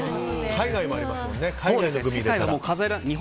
海外もありますもんね。